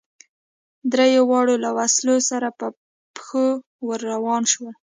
درېواړه له وسلو سره په پښو ور روان شول.